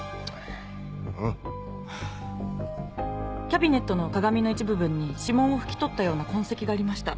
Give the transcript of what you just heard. キャビネットの鏡の一部分に指紋を拭き取ったような痕跡がありました。